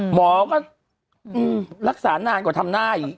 หมอก็รักษานานกว่าทำหน้าอีก